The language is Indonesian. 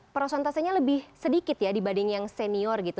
prosentasenya lebih sedikit ya dibanding yang senior gitu